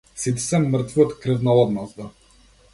Сите се мртви од крвна одмазда.